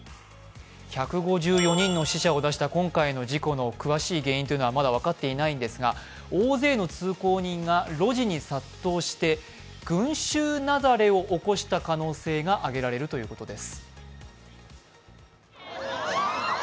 １５４人の死者を出した今回の原因というのはまだ分かっていないんですが大勢の通行人が路地に殺到して、群衆雪崩を起こした可能性が挙げられるということです。